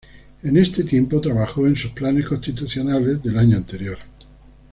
En este tiempo trabajó en sus planes constitucionales del año anterior.